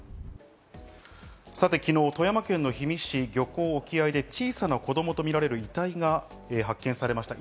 昨日、富山県の氷見市漁港沖合で小さな子供とみられる遺体が発見されました。